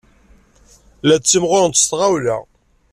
La ttimɣurent s tɣawla.